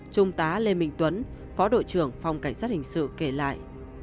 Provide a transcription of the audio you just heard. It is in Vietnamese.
trung tá lê minh tuấn phó đội trưởng phòng cảnh sát hình sự kể lại